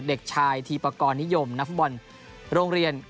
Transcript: เด็กชายทีปกรณ์นิยมนักฟุบรรณโรงเรียน